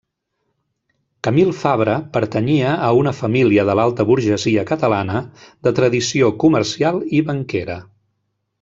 Camil Fabra pertanyia a una família de l'alta burgesia catalana, de tradició comercial i banquera.